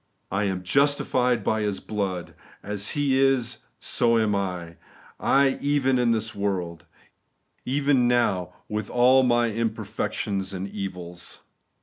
I am JUSTIFIED BY His BLOOD. ' As He is, SO am I (even) in this world,' — even now, with all my imperfections and evils.